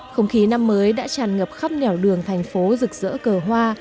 không khí năm mới đã tràn ngập khắp nẻo đường thành phố rực rỡ cờ hoa